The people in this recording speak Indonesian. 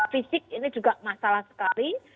fisik ini juga masalah sekali